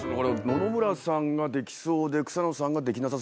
野々村さんができそうで草野さんができなさ